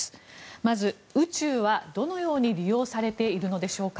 まず、宇宙はどのように利用されているのでしょうか。